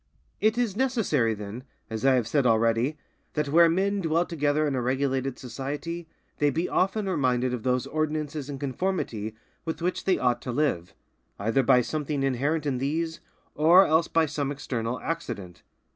It is necessary then, as I have said already, that where men dwell together in a regulated society, they be often reminded of those ordinances in conformity with which they ought to live, either by something inherent in these, or else by some external accident.